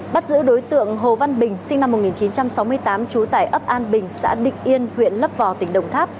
bắt giữ đối tượng hồ văn bình sinh năm một nghìn chín trăm sáu mươi tám trú tải ấp an bình xã định yên huyện lấp vò tỉnh đồng tháp